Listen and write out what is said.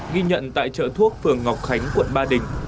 ghi nhận tại chợ thuốc phường ngọc khánh quận ba đình